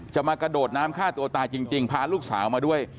มากระโดดน้ำฆ่าตัวตายจริงพาลูกสาวมาด้วย